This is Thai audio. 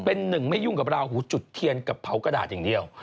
เป็นหนึ่งไม่ยุ่งกับราหูจุดเทียนกับเผากระดาษอย่างเดียว